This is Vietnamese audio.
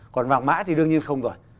còn vàng mã thì đương nhiên không rồi